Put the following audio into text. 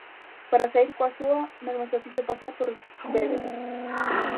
Para saír coa súa, mesmo se fixo pasar por bébedo.